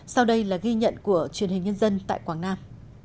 sau đây là ghi nhận của truyền hình nhân dân tại quảng nam